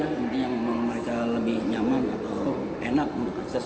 mungkin yang mereka lebih nyaman atau enak untuk akses